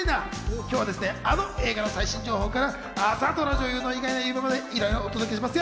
今日はあの映画の最新情報から朝ドラ女優の意外な夢まで、いろいろお届けしますよ。